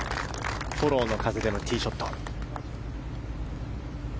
フォローの風でのティーショット。